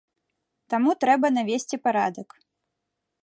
Таму трэба навесці парадак.